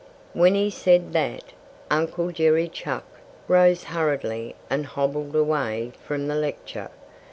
When he said that, Uncle Jerry Chuck rose hurriedly and hobbled away from the lecture.